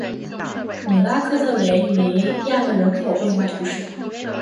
里拉克特雷尼亚克人口变化图示